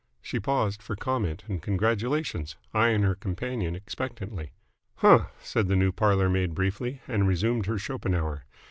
She paused for comment and congratulations, eyeing her companion expectantly. "Huh!" said the new parlour maid briefly, and resumed her Schopenhauer.